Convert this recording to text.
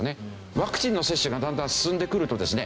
ワクチンの接種がだんだん進んでくるとですね